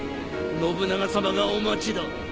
信長さまがお待ちだ。